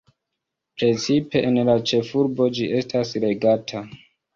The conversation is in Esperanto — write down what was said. Precipe en la ĉefurbo ĝi estas legata.